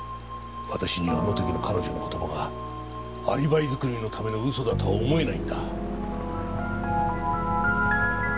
私にはあの時の彼女の言葉がアリバイ作りのための嘘だとは思えないんだ。